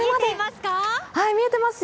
見えていますか？